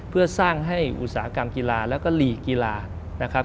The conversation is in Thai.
เพื่อสร้างให้อุตสาหกรรมกีฬาแล้วก็หลีกกีฬานะครับ